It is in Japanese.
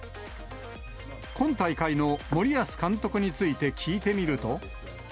今大会の森保監督について聞いてみると。